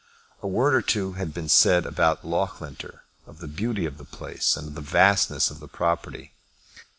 A word or two had been said about Loughlinter, of the beauty of the place and of the vastness of the property.